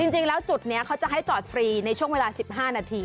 จริงแล้วจุดนี้เขาจะให้จอดฟรีในช่วงเวลา๑๕นาที